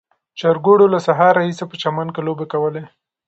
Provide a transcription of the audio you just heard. چرګوړو له سهار راهیسې په چمن کې لوبې کولې.